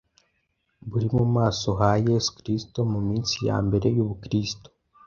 buri mu maso ha Yesu Kristo Mu minsi ya mbere y’Ubukristo,